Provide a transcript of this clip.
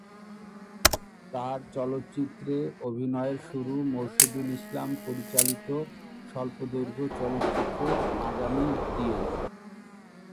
তার চলচ্চিত্রে অভিনয়ের শুরু মোরশেদুল ইসলাম পরিচালিত স্বল্পদৈর্ঘ্য চলচ্চিত্র "আগামী" দিয়ে।